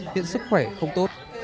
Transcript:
hiện sức khỏe không tốt